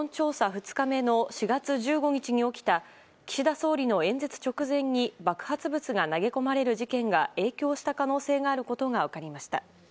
２日目の４月１５日に起きた岸田総理の演説直前に爆発物が投げ込まれる事件が影響した可能性があることが分かりました。